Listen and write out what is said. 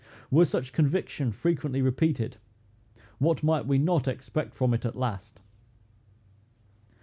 Were such conviction frequently repeated, what might we not expect from it at last?